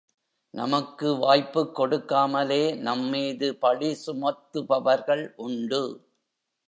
நமக்கு வாய்ப்புக் கொடுக்காமலே நம்மீது பழி சுமத்துபவர்கள் உண்டு.